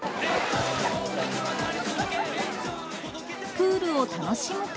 プールを楽しむと。